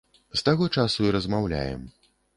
З таго часу і размаўляем.